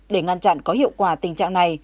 để ngăn chặn có hiệu quả tình trạng này